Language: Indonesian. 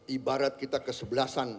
ibarat kita kesebelasan